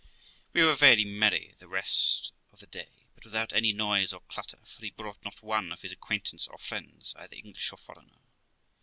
We were very merry the rest of the day, but without any noise or clutter; for he brought not one of his acquaintance or friends, either English or foreigner.